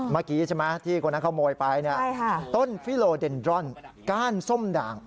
เมื่อกี้ใช่ไหมที่คนนั้นขโมยไปต้นฟิโลเดนดรอนก้านส้มด่าง